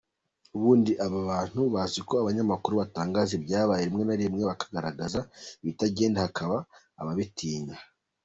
Ubundi abantu bazi ko abanyamakuru batangaza ibyabaye, rimwe na rimwe bakagaragaza ibitagenda hakaba ababatinya.